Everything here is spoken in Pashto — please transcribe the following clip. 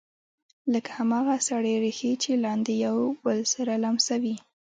لکه هماغه سرې ریښې چې لاندې یو بل سره لمسوي